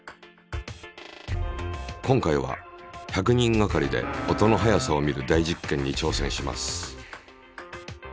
今回は１００人がかりで音の速さを見る大実験に挑戦します。